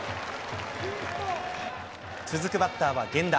続くバッターは源田。